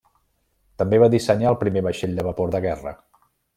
També va dissenyar el primer vaixell de vapor de guerra.